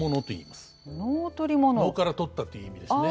「能から取った」という意味ですね。